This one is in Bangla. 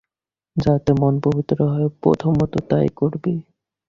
যাতে মন পবিত্র হয়, প্রথমত তাই করবি।